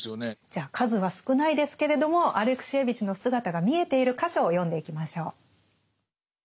じゃあ数は少ないですけれどもアレクシエーヴィチの姿が見えている箇所を読んでいきましょう。